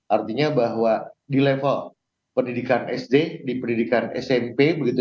artinya bahwa di level pendidikan sd di pendidikan smp begitu